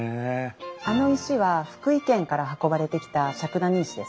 あの石は福井県から運ばれてきた笏谷石です。